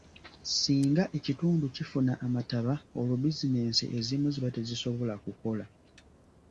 Singa ekitundu kifuna amataba olwo bizinensi ezimu ziba tezisobola kukola.